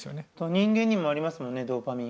人間にもありますもんねドーパミン。